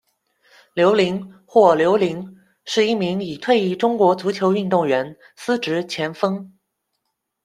刘麟，或刘林，是一名已退役中国足球运动员，司职前锋。